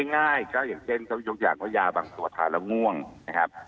ง่ายเช่นยกอย่างว่ายาบางตัวทานแล้วง่วงนะครับ